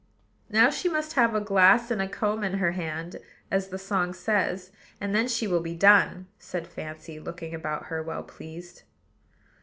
"Now she must have a glass and a comb in her hand, as the song says, and then she will be done," said Fancy, looking about her, well pleased.